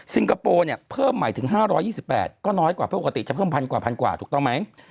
คโปร์เนี่ยเพิ่มใหม่ถึง๕๒๘ก็น้อยกว่าปกติจะเพิ่มพันกว่าพันกว่าถูกต้องไหม